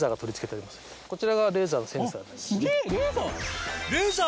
こちらがレーザーのセンサー。